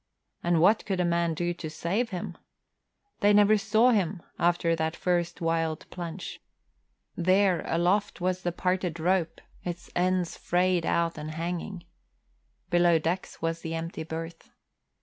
And what could a man do to save him? They never saw him after that first wild plunge. There, aloft, was the parted rope, its ends frayed out and hanging. Below decks was the empty berth.